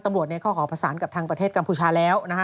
ทางตำรวจเนี่ยเขาขอผสานกับทางประเทศกัมพูชาแล้ว